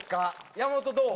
山本どう？